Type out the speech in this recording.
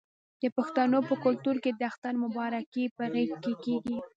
د پښتنو په کلتور کې د اختر مبارکي په غیږ کیږي.